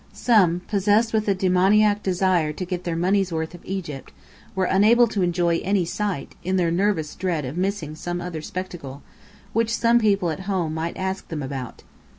Some, possessed with a demoniac desire to get their money's worth of Egypt, were unable to enjoy any sight, in their nervous dread of missing some other spectacle, which people at home might ask them about.